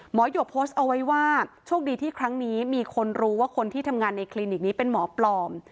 หยกโพสต์เอาไว้ว่าโชคดีที่ครั้งนี้มีคนรู้ว่าคนที่ทำงานในคลินิกนี้เป็นหมอปลอม